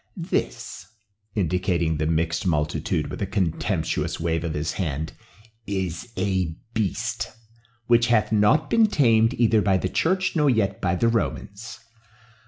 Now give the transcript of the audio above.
This," indicating the mixed multitude with a contemptuous wave of his hand, "is a beast, which hath not been tamed either by the church nor yet by the Romans.